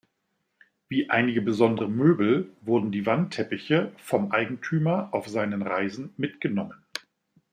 Wie einige besondere Möbel wurden die Wandteppiche vom Eigentümer auf seinen Reisen mitgenommen.